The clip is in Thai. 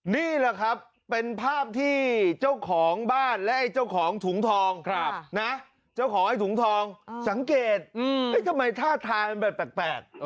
นี่แหละครับเป็นภาพที่เจ้าของบ้านและไอ้เจ้าของถุงทองนะเจ้าของไอ้ถุงทองสังเกตทำไมท่าทางมันแบบแปลก